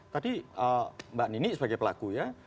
tadi mbak nini sebagai pelaku ya